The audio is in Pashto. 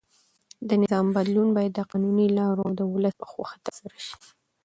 د نظام بدلون باید د قانوني لارو او د ولس په خوښه ترسره شي.